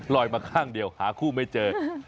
มาข้างเดียวหาคู่ไม่เจอ